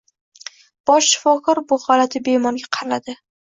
Bosh shifokor bu g‘alati bemorga qaradi.